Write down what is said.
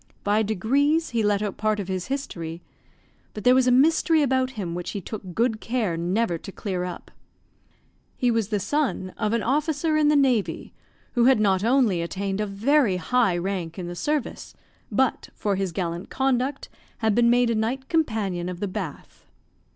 By degrees he let out part of his history; but there was a mystery about him which he took good care never to clear up. He was the son of an officer in the navy, who had not only attained a very high rank in the service, but, for his gallant conduct, had been made a Knight Companion of the Bath.